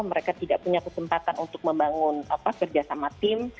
mereka tidak memiliki kesempatan untuk membangun kerja dengan tim